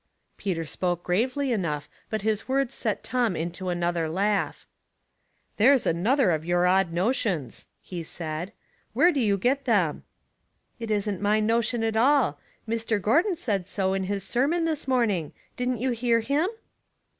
Peter spoke gravely enough, but bis words set Tom into another laugh. " There's another of your odd notions," he said. '* Where do you get them ?"" It isn't my notion at all. Mr. Gordon said so in his sermon this morning. Didn't you hear him